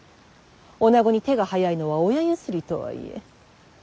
女子に手が早いのは親譲りとはいえ。